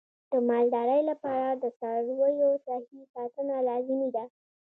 د مالدارۍ لپاره د څارویو صحي ساتنه لازمي ده.